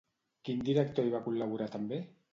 Quin director hi va col·laborar també?